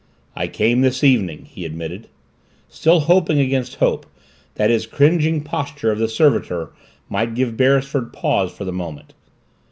"I came this evening," he admitted, still hoping against hope that his cringing posture of the servitor might give Beresford pause for the moment.